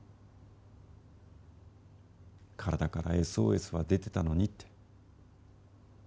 体からＳＯＳは出てたのにって。